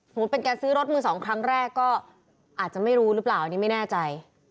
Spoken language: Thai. เป็นการซื้อรถมือสองครั้งแรกก็อาจจะไม่รู้หรือเปล่าอันนี้ไม่แน่ใจ